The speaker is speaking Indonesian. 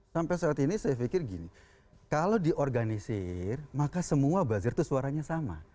sampai saat ini saya pikir gini kalau diorganisir maka semua buzzer itu suaranya sama